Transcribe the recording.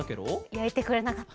やいてくれなかった。